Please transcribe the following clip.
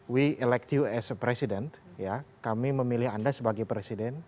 we elect you as a president kami memilih anda sebagai presiden